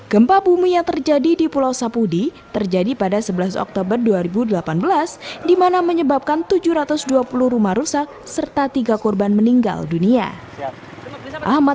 gempa bumi yang terjadi di pulau sapudi terjadi pada sebelas oktober dua ribu delapan belas di mana menyebabkan tujuh ratus dua puluh rumah rusak serta tiga korban meninggal dunia